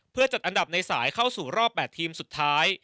เพื่อจัดอันดับในสายเข้าสู่รอบ๘ทีมสุดท้าย